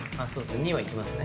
２はいきますね。